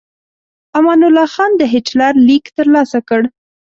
امان الله خان د هیټلر لیک ترلاسه کړ.